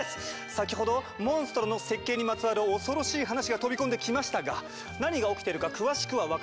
先ほどモンストロの設計にまつわる恐ろしい話が飛び込んできましたが何が起きてるか詳しくは分からないというあなた。